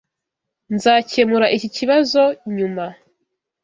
Nzakemura iki kibazo nyuma.